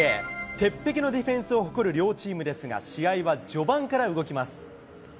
鉄壁のディフェンスを誇る両チームですが、試合は序盤から動きます。